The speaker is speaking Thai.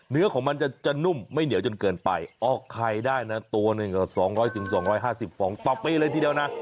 ของมันจะนุ่มไม่เหนียวจนเกินไปออกไข่ได้นะตัวหนึ่ง๒๐๐๒๕๐ฟองต่อปีเลยทีเดียวนะ